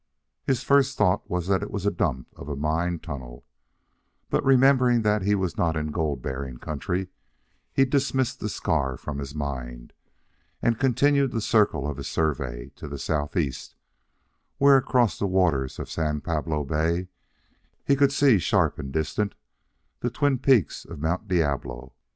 His first thought was that it was the dump of a mine tunnel, but remembering that he was not in gold bearing country, he dismissed the scar from his mind and continued the circle of his survey to the southeast, where, across the waters of San Pablo Bay, he could see, sharp and distant, the twin peaks of Mount Diablo.